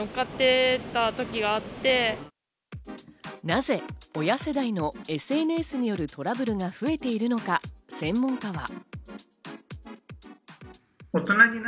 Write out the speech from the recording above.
なぜ親世代のＳＮＳによるトラブルが増えているのか、専門家は。